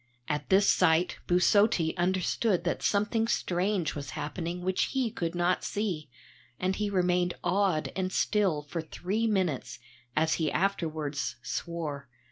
At this sight Busotti understood that something strange was happening which he could not see, and he remained awed and still for three minutes, as he afterwards swore.